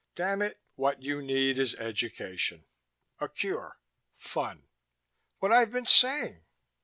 "Damn it, what you need is education. A cure. Fun. What I've been saying."